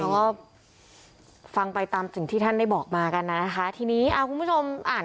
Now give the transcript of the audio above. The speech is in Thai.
ก็ฟังไปตามสิ่งที่ท่านได้บอกมากันนะนะคะทีนี้อ่าคุณผู้ชมอ่าน